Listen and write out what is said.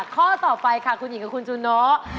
ข้อต่อไปค่ะคุณหญิงกับคุณจูโน